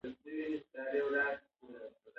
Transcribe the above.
دا د سیاسي بنسټونو په تفاوت کې و